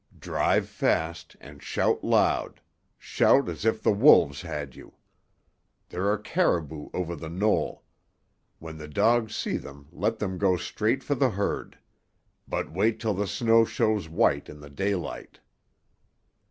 Drive fast and shout loud. Shout as if the wolves had you. There are caribou over the knoll. When the dogs see them let them go straight for the herd. But wait till the snow shows white in the daylight."